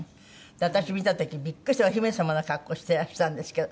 私見た時ビックリしたお姫様の格好してらしたんですけど。